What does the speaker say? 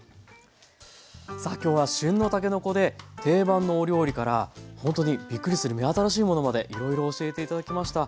さあ今日は旬のたけのこで定番のお料理からほんとにびっくりする目新しいものまでいろいろ教えて頂きました。